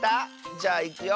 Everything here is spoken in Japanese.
じゃあいくよ。